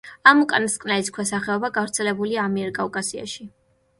ამ უკანასკნელის ქვესახეობა გავრცელებულია ამიერკავკასიაში.